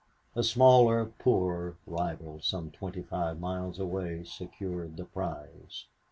A smaller, poorer rival, some twenty five miles away, secured the prize.